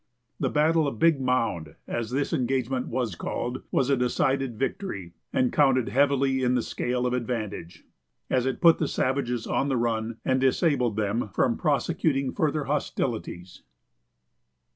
The battle of Big Mound, as this engagement was called, was a decided victory, and counted heavily in the scale of advantage, as it put the savages on the run and disabled them from prosecuting further hostilities.